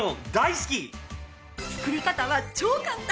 作り方は超簡単。